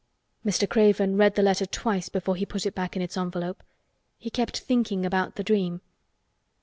Mr. Craven read the letter twice before he put it back in its envelope. He kept thinking about the dream.